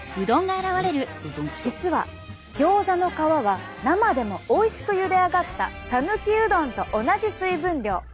実はギョーザの皮は生でもおいしくゆで上がったさぬきうどんと同じ水分量。